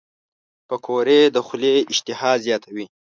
پکورې د خولې اشتها زیاتوي